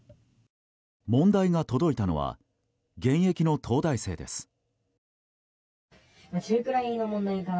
問題が届いたのは現役の東大生です。